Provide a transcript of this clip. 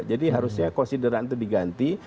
harusnya konsideran itu diganti